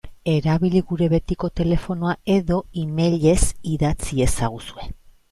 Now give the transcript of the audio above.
Erabili gure betiko telefonoa edo emailez idatz iezaguzue.